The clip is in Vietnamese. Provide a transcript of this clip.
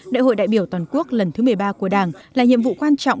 đại hội đại biểu toàn quốc lần thứ một mươi ba của đảng là nhiệm vụ quan trọng